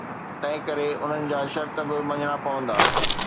تنهنڪري انهن جا شرط به مڃڻا پوندا.